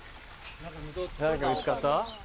何か見つかった？